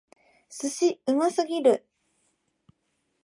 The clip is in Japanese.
寿司！うますぎる！